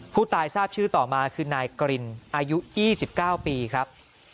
ผู้ตายทราบชื่อต่อมาคือนายกรินอายุ๒๙ปีครับ